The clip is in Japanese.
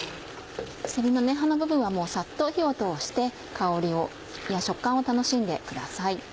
せりの葉の部分はもうサッと火を通して香りや食感を楽しんでください。